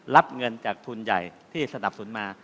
รับเงินจากทุนใหญ่ที่สนับสนุนมา